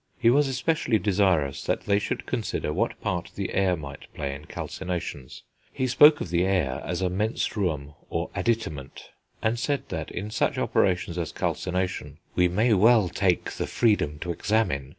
He was especially desirous they should consider what part the air might play in calcinations; he spoke of the air as a "menstruum or additament," and said that, in such operations as calcination, "We may well take the freedom to examine